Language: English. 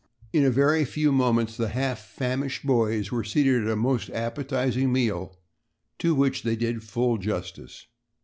In a very few moments the half famished boys were seated at a most appetizing meal, to which they did full justice.